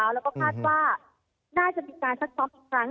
แล้วก็คาดว่าน่าจะมีการซักซ้อมอีกครั้ง